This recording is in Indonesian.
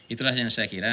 itulah yang saya kira